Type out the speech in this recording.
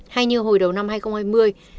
hay như hồi đầu năm hai nghìn hai mươi